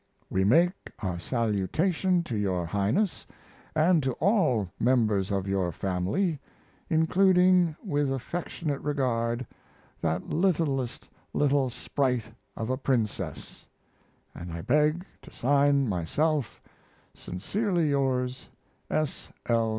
We make our salutation to your Highness & to all members of your family including, with affectionate regard, that littlest little sprite of a Princess & I beg to sign myself Sincerely yours, S. L.